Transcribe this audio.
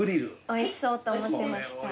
おいしそうと思ってました。